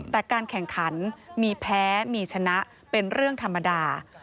แต่การแข่งขันมีแพ้มีชนะเป็นเรื่องธรรมดา